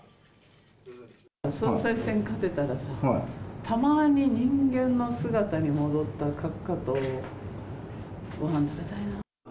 総裁選勝てたらさ、たまに人間の姿に戻った閣下とごはん食べたいな。